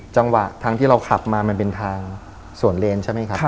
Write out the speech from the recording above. จังหวะทางที่เราขับมามันเป็นทางส่วนเลนใช่ไหมครับ